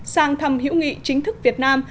sang thăm hữu nghị chính thức việt nam